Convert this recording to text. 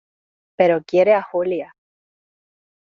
pero quiere a Julia.